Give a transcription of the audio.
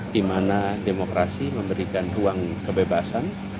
di mana demokrasi memberikan ruang kebebasan